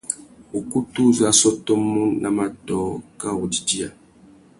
Ukutu uzú a sôtômú nà matōh kā wô didiya.